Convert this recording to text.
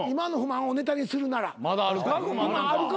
今あるか？